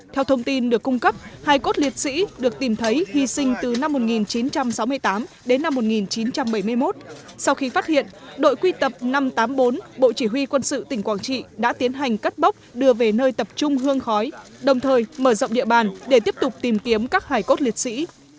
theo thông tin được cung cấp hai cốt liệt sĩ được tìm thấy hy sinh từ năm một nghìn chín trăm sáu mươi tám đến năm một nghìn chín trăm bảy mươi một sau khi phát hiện đội quy tập năm trăm tám mươi bốn bộ chỉ huy quân sự tỉnh quảng trị đã tiến hành cất bốc đưa về nơi tập trung hương khói đồng thời mở rộng địa bàn để tiếp tục tìm kiếm các hải cốt liệt sĩ